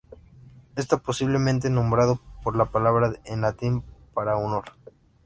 Está posiblemente nombrado por la palabra en latín para "honor".